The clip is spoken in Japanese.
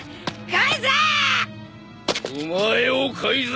返せ。